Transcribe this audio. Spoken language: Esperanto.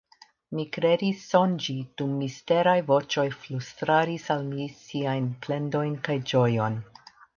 Mi kredis sonĝi, dum misteraj voĉoj flustradis al mi siajn plendojn kaj ĝojon.